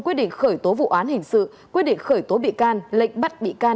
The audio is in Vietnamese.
quyết định khởi tố vụ án hình sự quyết định khởi tố bị can lệnh bắt bị can